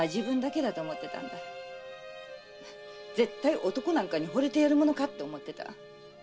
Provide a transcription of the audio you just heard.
絶対男なんかに惚れてやるものかって思ってた。